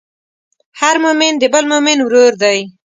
هر مؤمن د بل مؤمن ورور دی.